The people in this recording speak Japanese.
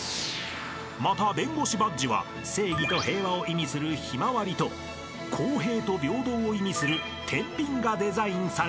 ［また弁護士バッジは正義と平和を意味するひまわりと公平と平等を意味するてんびんがデザインされています］